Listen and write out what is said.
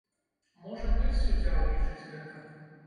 Можа быць, суддзя ўлічыць гэта.